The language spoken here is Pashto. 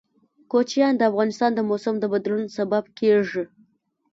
کوچیان د افغانستان د موسم د بدلون سبب کېږي.